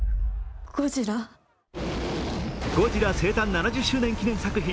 ゴジラ生誕７０周年記念作品。